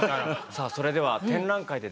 さあそれでは展覧会でですね